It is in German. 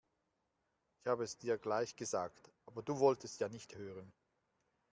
Ich habe es dir gleich gesagt, aber du wolltest ja nicht hören.